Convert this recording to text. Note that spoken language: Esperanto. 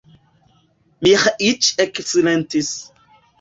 Miĥeiĉ eksilentis.